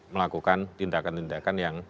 melakukan tindakan tindakan yang